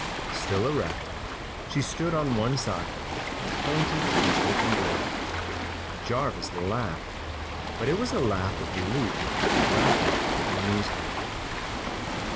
Still erect, she stood on one side and pointed to the open door. Jarvis laughed, but it was a laugh of relief rather than amusement.